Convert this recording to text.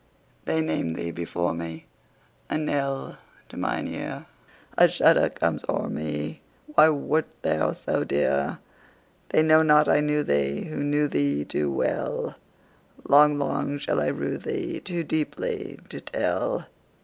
They name thee before me,A knell to mine ear;A shudder comes o'er me—Why wert thou so dear? They know not I knew theeWho knew thee too well:Long, long shall I rue theeToo deeply to tell.